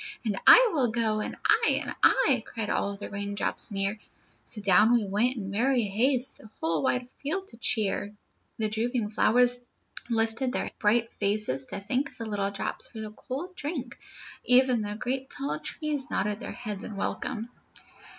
'And I will go!' 'And I!' 'And I!' Cried all the raindrops near. So down we went in merry haste The whole wide field to cheer. "The drooping flowers lifted their bright faces to thank the little drops for the cool drink. Even the great tall trees nodded their heads in welcome."